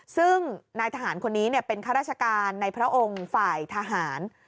ซึ่งนายทหารคนนี้เป็นข้าราชการในพระองค์ฝ่ายทหาร